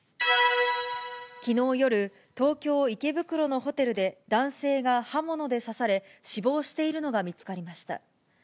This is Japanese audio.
きのう夜、東京・池袋のホテルで、男性が刃物で刺され、死亡しているのが見つかりました。